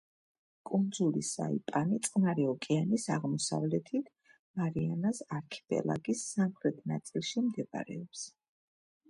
კუნძული საიპანი წყნარი ოკეანის აღმოსავლეთით მარიანას არქიპელაგის სამხრეთ ნაწილში მდებარეობს.